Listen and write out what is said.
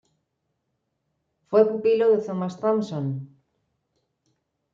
Fue pupilo de Thomas Thomson.